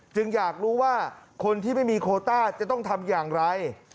อยากรู้ว่าคนที่ไม่มีโคต้าจะต้องทำอย่างไร